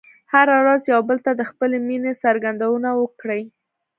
هره ورځ یو بل ته د خپلې مینې څرګندونه وکړئ.